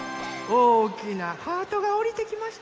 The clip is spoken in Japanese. おおきなハートがおりてきました。